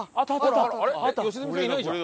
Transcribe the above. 良純さんいないじゃん。